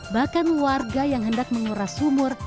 bahkan warga yang hendak menguras sumur